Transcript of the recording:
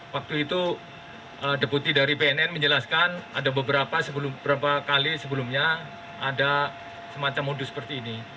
waktu itu deputi dari bnn menjelaskan ada beberapa kali sebelumnya ada semacam modus seperti ini